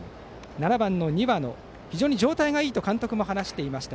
７番の庭野は非常に状態がいいと監督も話していました。